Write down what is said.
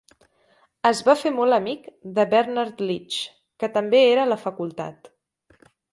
Es va fer molt amic de Bernard Leach, que també era a la facultat.